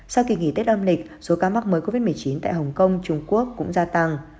sau kỳ nghỉ tết âm lịch số ca mắc mới covid một mươi chín tại hồng kông trung quốc cũng gia tăng